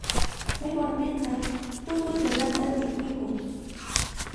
Chay warmiqa tukuy runatan chiqnikun.